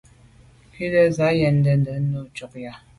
Nzìkû’ cwɛ̌d nja ndèdndèd nùú ntchɔ́k á jáà.